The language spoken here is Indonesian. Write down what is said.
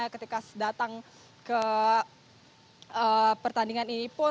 ketika datang ke pertandingan ini pun